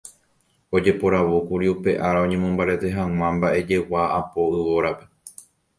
Ojeporavókuri upe ára oñemombarete hag̃ua mba'ejegua apo yvórape.